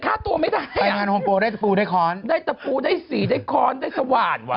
ฆ่าตัวไม่ได้ทางงานโฮมโปรได้สัตว์ได้คอร์นได้สัตว์ได้สีได้คอร์นได้สว่าน